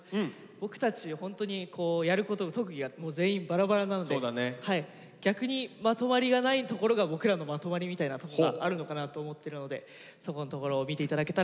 僕たちホントにこうやること特技が全員バラバラなので逆にまとまりがないところが僕らのまとまりみたいなところがあるのかなと思ってるのでそこのところを見て頂けたらなと思ってます。